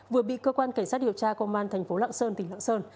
vừa bị cơ quan cảnh sát điều tra công an thành phố lạng sơn tỉnh lạng sơn